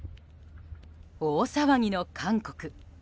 大騒ぎの韓国。